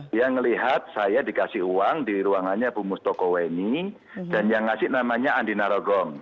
dia ngelihat saya dikasih uang di ruangannya bumustoko weni dan yang ngasih namanya andina rogong